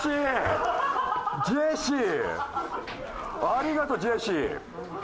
ありがとうジェシー！